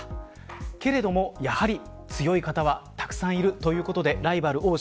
けれどもやはり強い方はたくさんいる、ということでライバル多し。